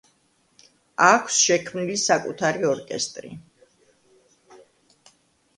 აქვს შექმნილი საკუთარი ორკესტრი.